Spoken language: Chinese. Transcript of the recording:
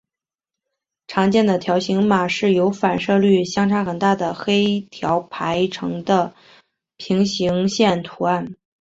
常见的条形码是由反射率相差很大的黑条排成的平行线图案。